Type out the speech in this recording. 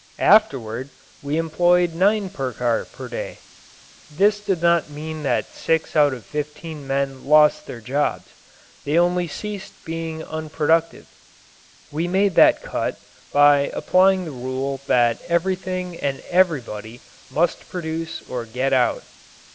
Afterward we employed nine per car per day. This did not mean that six out of fifteen men lost their jobs. They only ceased being unproductive. We made that cut by applying the rule that everything and everybody must produce or get out.